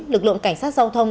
lực lượng cảnh sát giao thông